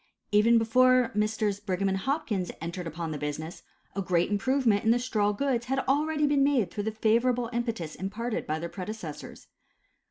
Even before Messrs. Brigham & Hopkins entered upon the business, a great improvement in the straw goods had already been made through the favorable impetus imparted by their predecessors.